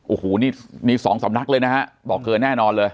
โอ้โหนี่มีสองสำนักเลยนะฮะบอกเธอแน่นอนเลย